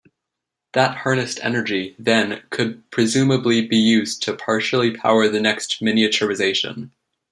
That harnessed energy, then, could presumably be used to partially power the next miniaturization.